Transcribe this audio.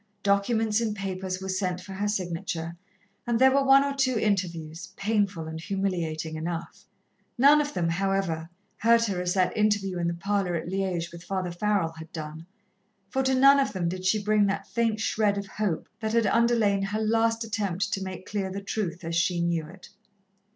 Documents and papers were sent for her signature, and there were one or two interviews, painful and humiliating enough. None of them, however, hurt her as that interview in the parlour at Liège with Father Farrell had done, for to none of them did she bring that faint shred of hope that had underlain her last attempt to make clear the truth as she knew it.